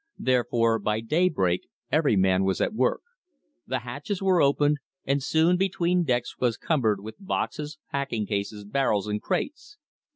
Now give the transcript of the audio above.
Therefore by daybreak every man was at work. The hatches were opened, and soon between decks was cumbered with boxes, packing cases, barrels, and crates.